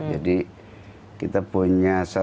jadi kita punya satu kesempatan